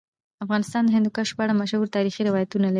افغانستان د هندوکش په اړه مشهور تاریخی روایتونه لري.